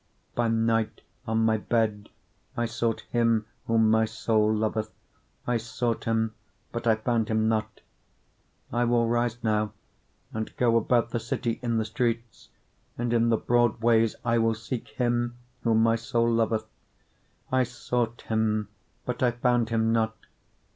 3:1 By night on my bed I sought him whom my soul loveth: I sought him, but I found him not. 3:2 I will rise now, and go about the city in the streets, and in the broad ways I will seek him whom my soul loveth: I sought him, but I found him not.